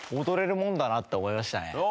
踊れるもんだなって思いましたね。